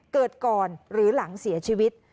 เกิดก่อนหรือหลังเสียชีวิต